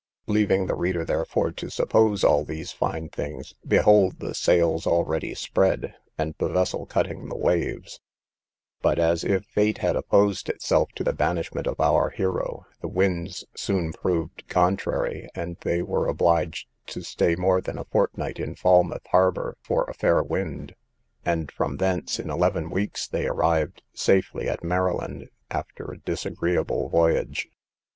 Leaving the reader, therefore, to suppose all these fine things, behold the sails already spread, and the vessel cutting the waves; but, as if fate had opposed itself to the banishment of our hero, the winds soon proved contrary, and they were obliged to stay more than a fortnight in Falmouth harbour for a fair wind, and from thence, in eleven weeks, they arrived safely at Maryland, after a disagreeable voyage.